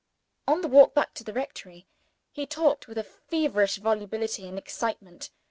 On the walk back to the rectory, he talked with a feverish volubility and excitement.